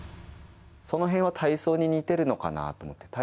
そのへんは体操に似てるのかなと思って。